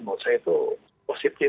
menurut saya itu positif